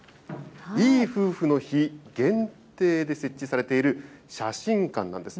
いい夫婦の日限定で設置されている写真館なんです。